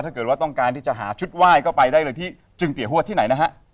ถ้าเกิดว่าต้องการที่จะหาชุดไหว้ก็ไปได้เลยที่จึงเตี๋หัวที่ไหนนะฮะ